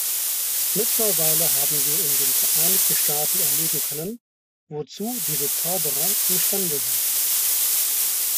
Mittlerweile haben wir in den Vereinigten Staaten erleben können, wozu diese Zauberer imstande sind.